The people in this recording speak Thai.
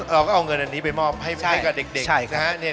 เราก็เอาเงินอันนี้ไปมอบให้กับเด็กนะฮะ